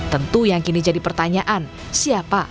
tentu yang kini jadi pertanyaan siapa